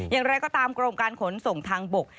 อย่างไรก็ตามกรมการขนส่งทางบก